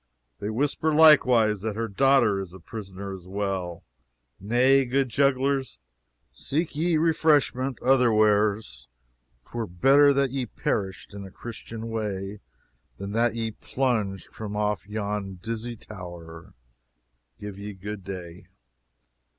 They whisper likewise that her daughter is a prisoner as well. Nay, good jugglers, seek ye refreshment other wheres. 'Twere better that ye perished in a Christian way than that ye plunged from off yon dizzy tower. Give ye good day."